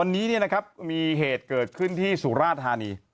วันนี้มีเหตุเกิดขึ้นที่สุราธานี